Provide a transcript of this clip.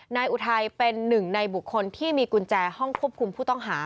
อุทัยเป็นหนึ่งในบุคคลที่มีกุญแจห้องควบคุมผู้ต้องหา